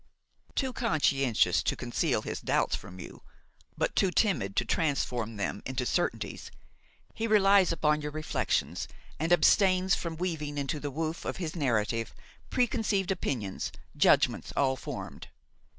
Too conscientious to conceal his doubts from you, but too timid to transform them into certainties, he relies upon your reflections and abstains from weaving into the woof of his narrative preconceived opinions, judgments all formed.